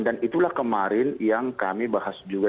dan itulah kemarin yang kami bahas juga